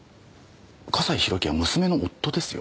笠井宏樹は娘の夫ですよ。